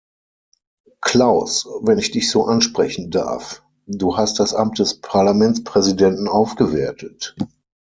Klaus, wenn ich dich so ansprechen darf, du hast das Amt des Parlamentspräsidenten aufgewertet.